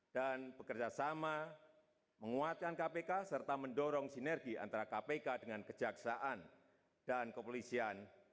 dan bekerjasama menguatkan kpk serta mendorong sinergi antara kpk dengan kejaksaan dan kepolisian